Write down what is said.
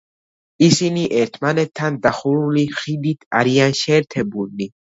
ისინი ერთმანეთთან დახურული ხიდით არიან შეერთებულნი.